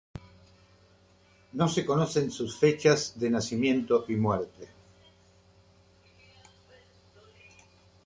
No se conocen sus fechas de nacimiento y muerte.